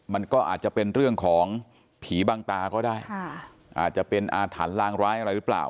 มันก็อาจจะเป็นเรื่องของผีบางตาก็ได้อาจจะเป็นอาถรรพ์ลางร้ายอะไรหรือเปล่า